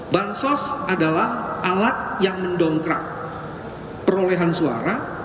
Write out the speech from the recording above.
bansos adalah alat yang mendongkrak perolehan suara